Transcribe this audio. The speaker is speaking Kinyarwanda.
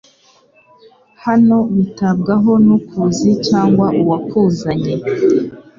hano witabwaho nukuzi cyangwa uwakuzanye